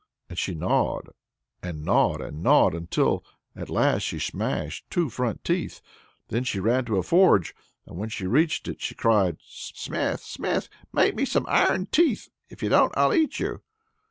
And she gnawed, and gnawed, and gnawed, until at last she smashed two front teeth. Then she ran to a forge, and when she reached it she cried, "Smith, smith! make me some iron teeth; if you don't I'll eat you!"